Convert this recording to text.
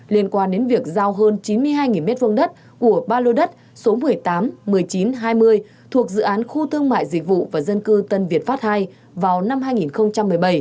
liên quan đến việc giao hơn chín mươi hai m hai đất của ba lô đất số một mươi tám một mươi chín hai mươi thuộc dự án khu thương mại dịch vụ và dân cư tân việt pháp ii vào năm hai nghìn một mươi bảy